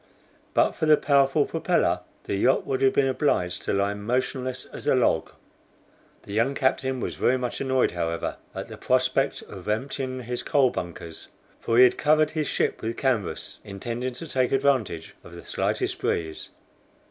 But for the powerful propeller the yacht would have been obliged to lie motionless as a log. The young captain was very much annoyed, however, at the prospect of emptying his coal bunkers, for he had covered his ship with canvas, intending to take advantage of the slightest breeze.